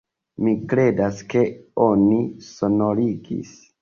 Mi kredas ke oni sonorigis.